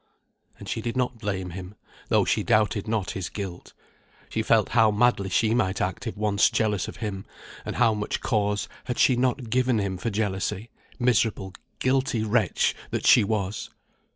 And she did not blame him, though she doubted not his guilt; she felt how madly she might act if once jealous of him, and how much cause had she not given him for jealousy, miserable guilty wretch that she was!